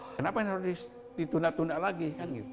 kenapa ini harus ditunda tunda lagi